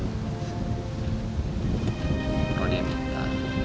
buah dia minta